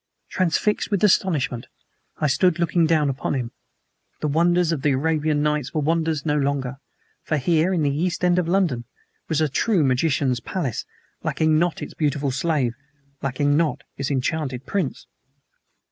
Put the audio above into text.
Transfixed with astonishment, I stood looking down upon him. The wonders of the "Arabian Nights" were wonders no longer, for here, in East End London, was a true magician's palace, lacking not its beautiful slave, lacking not its enchanted prince!